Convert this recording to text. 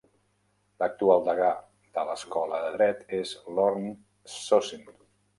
L'actual degà de l'escola de dret és Lorne Sossin.